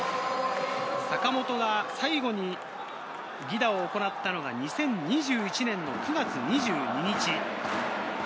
坂本が最後に犠打を行ったのが２０２１年９月２２日。